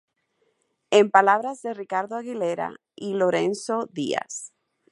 En palabras de Ricardo Aguilera y Lorenzo Díaz